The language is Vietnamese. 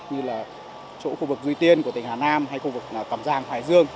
như là chỗ khu vực duy tiên của tỉnh hà nam hay khu vực cầm giang hoài dương